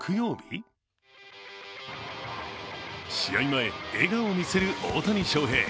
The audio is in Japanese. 前、笑顔を見せる大谷翔平。